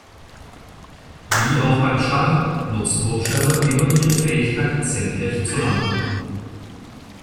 Wie auch beim Start nutzen Hubschrauber immer ihre Fähigkeit, senkrecht zu landen.